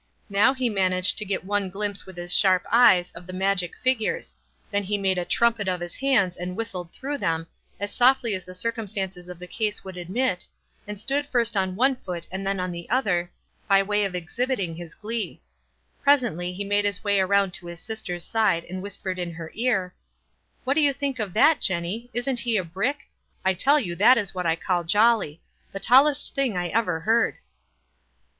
Now ho managed to get one glimpse with his sharp eyes of the mngic figures — then he made a trumpet of his hands aud whistled through them, as softly as WISE ANT) OTHERWISE. 38? the circumstances of the case would admit, mid stood first on one foot and then on the other, by way of exhibiting his glee; presently he made his way around to his sisters side, and whis pered in her car, "What do you think of that, Jenny? Isn't ho a brick? I tell you that is what I call jolly — the tallest thing I ever heard."